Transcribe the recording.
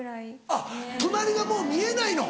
あっ隣がもう見えないの。